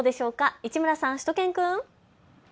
市村さん、しゅと犬くん。